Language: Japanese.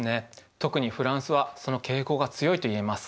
特にフランスはその傾向が強いと言えます。